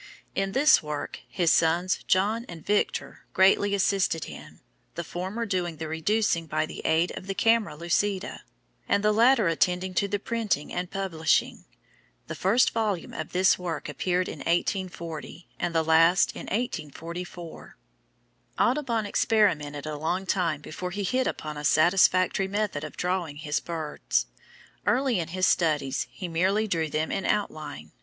In this work, his sons, John and Victor, greatly assisted him, the former doing the reducing by the aid of the camera lucida, and the latter attending to the printing and publishing. The first volume of this work appeared in 1840, and the last in 1844. Audubon experimented a long time before he hit upon a satisfactory method of drawing his birds. Early in his studies he merely drew them in outline.